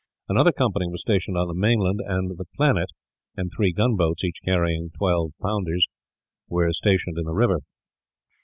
Another company was stationed on the mainland, and the Planet and three gunboats, each carrying a twelve pounder, were stationed in the river.